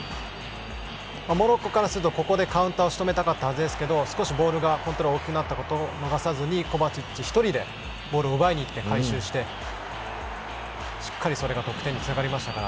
モロッコからするとここでカウンターを仕留めたかったはずですが少しボールのコントロールが大きくなったことを逃さずにコバチッチ１人でボールを奪いにいって回収してしっかりそれが得点につながりましたから。